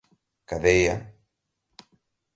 cadeia